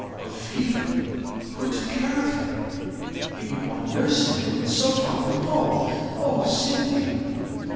"Of fever! and who took care of him? he would want nursing, and so far from home. Oh, Cynthia!"